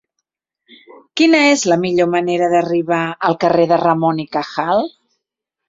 Quina és la millor manera d'arribar al carrer de Ramón y Cajal?